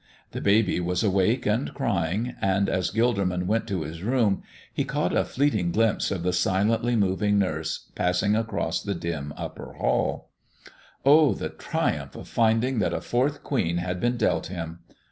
The baby was awake and crying, and as Gilderman went to his room he caught a fleeting glimpse of the silently moving nurse passing across the dim upper hall. Oh, the triumph of finding that a fourth queen had been dealt him!